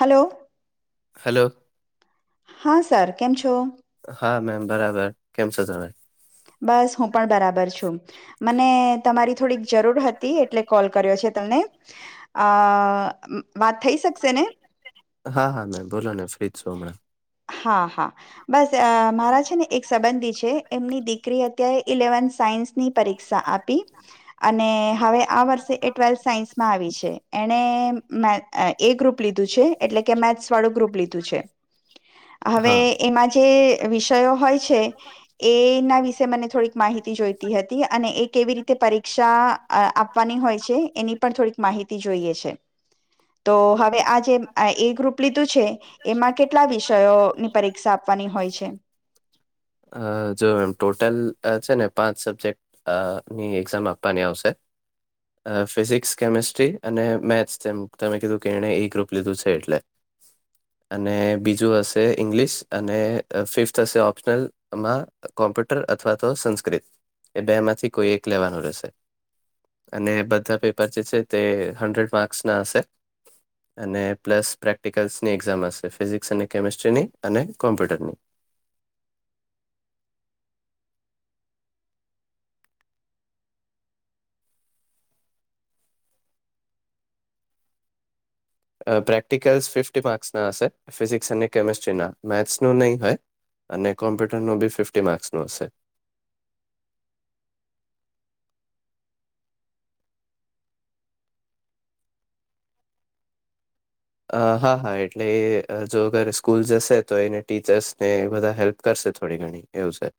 Hello hello. હા સરાર કેમ છો? હા મેમ. બરાબર, કેમ છો તમે? બસ હું પણ બરાબર છું, મને તમારી થોડીક જરૂર હતી એટલે કોલ કર્યો છે. તને, આ હા હા મે બોલો ને ફ્રીજ. શું અમણા. હા હા. બસ મારા છે ને એક સંબંધી છે એમની દીકરી હતી. ત્યાએ ઇલેવન સાયન્સની પરીક્ષા આપી. ી, અને હવે આ વર્ષે એ ટ્વેલ્થ સાયન્સમાં આવી છે એને મે એ ગ્રુપ લીધું છે એટલે કે મેથસ વાળું ગ્રુપ લીધું છે. હવે હા એમાં જે વિષયો હોય છે, એના વિશે મને થોડીક માહિતી જોઈતી હતી અને એ કેવી રીતે પરીક્ષા આપવાની હોય છે એની પણ થોડીક માહિતી જોઈએ છે. હ આ જે એ ગ્રુપ લીધું છે એમાં કેટલા વિશે ની પરીક્ષા આપવાની હોય છે. અ જો એમ ટોટલ છે ને પાંચ સબ્જેક્ટ ની એક્ઝામ આપવાની આવશે ફિઝિક્સ કેમેિસ્ટ્રી અને મેથ્સ તેમ તમે કીધું કે એણે ગ્રુપ એટલે અને બીજું હશે [unintelligible] અને ફિફ્થ હશે ઓપ્શનલમાં કોમ્પ્યુટર અથવા તો સંસ્કૃત એ બે માંથી કોઈ એક લેવાનું રહેશે અને બધા પેપર જે છે તે હડ્રેડ માર્ક્સના હશે. અને પ્લસ પ્રેક્ટિકલ્સની એક્ઝામ હશે ફિઝિક્સ અને કેમેસ્ટ્રીની અને કોમ્પ્યુટરની પ્રેક્ટિકલ્સ ફિફી માર્ક્સના હશે ફિઝિક્સ અને કેમેસ્ટ્રીના મેથ્સનું નહીં હોય અને કોમ્પ્યુટરનું બી ફિફ્ટી માર્ક્સનું હશે. અ હા હા એટલે એ જો અગર સ્કૂલ જશે તો એને ટીચર્સને બધા હેલ્પ કરશે થોડી ઘણી એવું છે.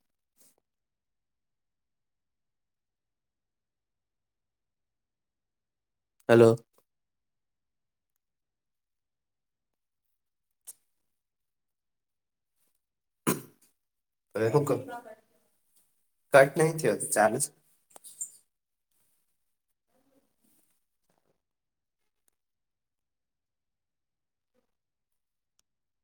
હલો. હવે હું કરું કટ નહી થયો તો ચાલજ